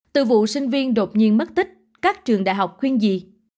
từ vụ sinh viên đột nhiên mất tích các trường đại học khuyên gì